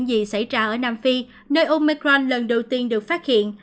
để chú ý tới những gì xảy ra ở nam phi nơi omicron lần đầu tiên được phát hiện